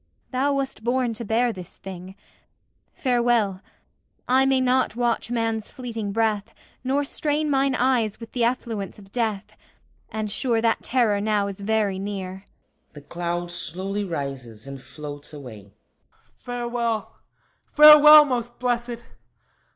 Thou wast born to bear this thing. Farewell! I may not watch man's fleeting breath, Nor strain mine eyes with the effluence of death. And sure that Terror now is very near. [The cloud slowly rises and floats away.] HIPPOLYTUS Farewell, farewell, most Blessèd!